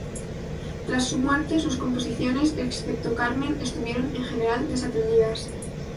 Tras su muerte, sus composiciones, excepto "Carmen", estuvieron en general desatendidas.